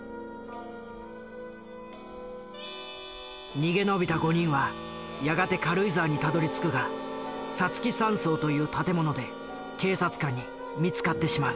逃げ延びた５人はやがて軽井沢にたどりつくがさつき山荘という建物で警察官に見つかってしまう。